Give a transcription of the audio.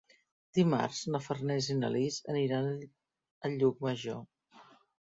Dimarts na Farners i na Lis aniran a Llucmajor.